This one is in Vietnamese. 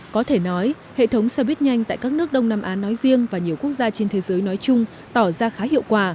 có thể nói hệ thống xe buýt nhanh tại các nước đông nam á nói riêng và nhiều quốc gia trên thế giới nói chung tỏ ra khá hiệu quả